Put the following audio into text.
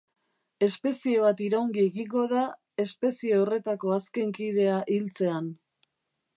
Espezie bat iraungi egingo da espezie horretako azken kidea hiltzean.